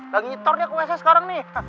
lagi nyetor dia ke wc sekarang nih